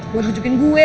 buat ujubin gue